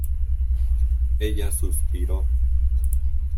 ella suspiró: